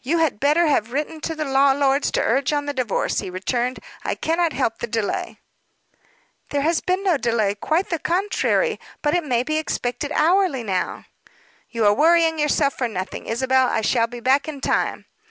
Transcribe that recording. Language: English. "You had better have written to the law lords to urge on the divorce," he returned. "I cannot help the delay." "There has been no delay; quite the contrary. But it may be expected hourly now." "You are worrying yourself for nothing, Isabel. I shall be back in time."